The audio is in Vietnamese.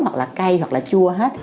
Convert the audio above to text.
hoặc là cay hoặc là chua hết